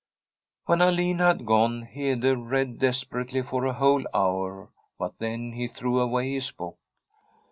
When Alin had gone, Hede read desperately for a whole hour, but then he threw away his book.